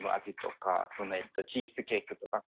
味とかチーズケーキとか。